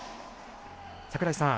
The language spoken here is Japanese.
櫻井さん